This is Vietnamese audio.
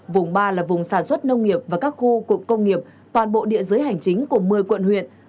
vùng ba là vùng sản xuất nông nghiệp và các khu cụm công nghiệp toàn bộ địa giới hành chính của một mươi quận huyện